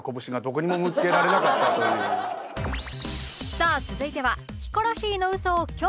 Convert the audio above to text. さあ続いては